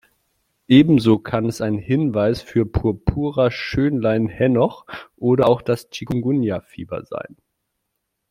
Ebenso kann es ein Hinweis für Purpura Schönlein-Henoch oder auch das Chikungunya-Fieber sein.